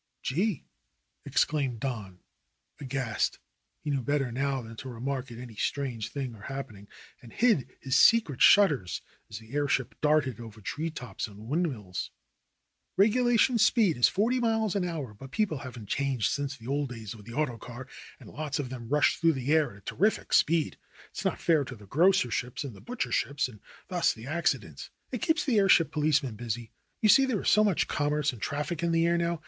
"Gee!" exclaimed Don, aghast. He knew better now than to remark at any strange thing or happening and hid his secret shudders as the airship darted over tree tops and windmills. "Regulation speed is forty miles an hour, hut people haven't changed since the old days of the auto car, and lots of them rush through the air at a terrific speed. It is not fair to the grocer ships and the butcher ships, and thus the accidents. It keeps the airship policemen busy. You see, there is so much commerce and traffic in the air now.